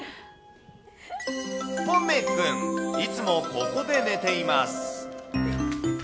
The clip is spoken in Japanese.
ポメくん、いつもここで寝ています。